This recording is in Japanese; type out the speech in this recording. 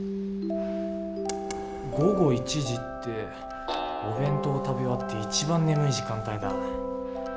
午後１時ってお弁当を食べ終わって一番眠い時間帯だ。